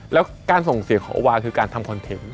แล้วการส่งเสียของโอวาคือการทำคอนเทนต์